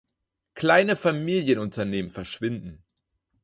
Kleine Familienunternehmen verschwinden.